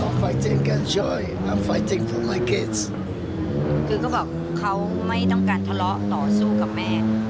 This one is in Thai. คือก็บอกเขาไม่ต้องการทะเลาะต่อสู้กับแม่